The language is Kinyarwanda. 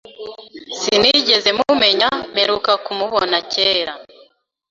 Sinigeze mumenya mperuka kumubona kera.